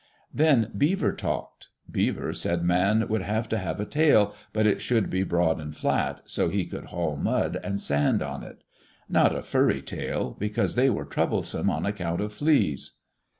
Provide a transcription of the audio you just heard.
Then Beaver talked. Beaver said man would have to have a tail, but it should be broad and flat, so he could haul mud and sand on it. Not a furry tail, because they were troublesome on account of fleas.